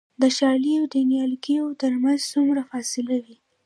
د شالیو د نیالګیو ترمنځ څومره فاصله وي؟